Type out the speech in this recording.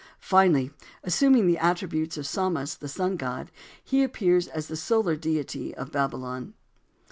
Finally assuming the attributes of Samas, the Sun God, he appears as the solar deity of Babylon.